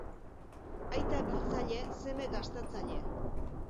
Aita biltzaile, seme gastatzaile.